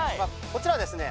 こちらはですね